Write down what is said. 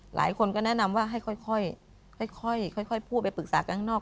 หลายคนก็แนะนำว่าให้ค่อยพูดไปปรึกษากันข้างนอก